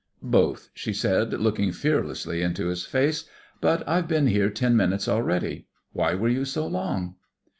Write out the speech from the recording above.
"Both," she said, looking fearlessly into his face. "But I've been here ten minutes already. Why were you so long?"